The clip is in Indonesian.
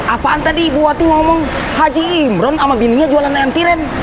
apaan tadi bu hati mau ngomong haji imron sama bininya jualan ayam tiren